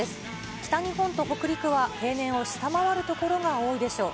北日本と北陸は平年を下回る所が多いでしょう。